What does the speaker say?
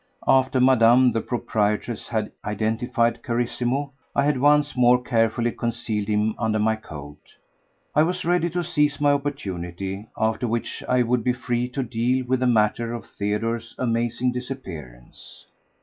After Madame the proprietress had identified Carissimo, I had once more carefully concealed him under my coat. I was ready to seize my opportunity, after which I would be free to deal with the matter of Theodore's amazing disappearance.